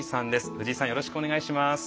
藤井さんよろしくお願いします。